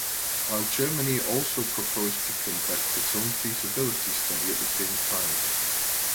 While Germany also proposed to conduct its own feasibility study at the same time.